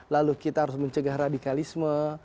lalu kita harus mencegah radikalisme